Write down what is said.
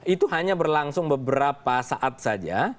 itu hanya berlangsung beberapa saat saja